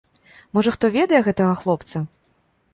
Можа хто ведае гэтага хлопца?